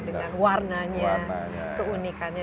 dengan warnanya keunikannya